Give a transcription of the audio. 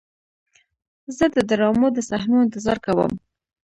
زه د ډرامو د صحنو انتظار کوم.